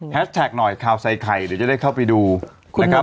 แท็กหน่อยข่าวใส่ไข่เดี๋ยวจะได้เข้าไปดูนะครับ